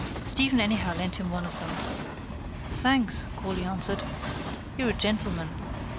Stephen anyhow lent him one of them. —Thanks, Corley answered, you're a gentleman.